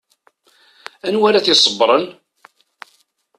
Anwa ara t-iṣebbren?